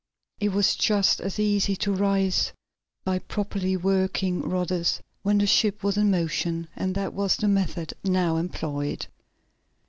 It was just as easy to rise by properly working the rudders, when the ship was in motion, and that was the method now employed.